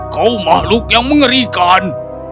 kau makhluk yang mengerikan